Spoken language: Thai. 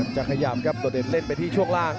จะขยับครับโดดเด่นเล่นไปที่ช่วงล่าง